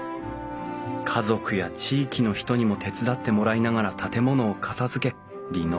家族や地域の人にも手伝ってもらいながら建物を片づけリノベーション。